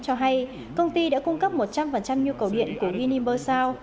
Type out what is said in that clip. cho hay công ty đã cung cấp một trăm linh nhu cầu điện của guinea bursao